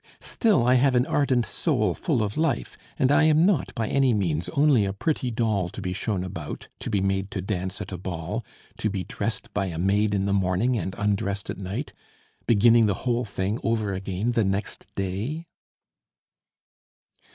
Still I have an ardent soul full of life, and I am not, by any means, only a pretty doll to be shown about, to be made to dance at a ball, to be dressed by a maid in the morning and undressed at night beginning the whole thing over again the next day."